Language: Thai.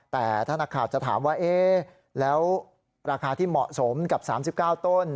แต่ถ้านักข่าวจะถามว่าเอ๊ะแล้วราคาที่เหมาะสมกับ๓๙ต้น